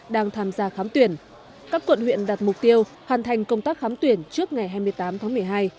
đang tham gia khám tuyển các quận huyện đặt mục tiêu hoàn thành công tác khám tuyển trước ngày hai mươi tám tháng một mươi hai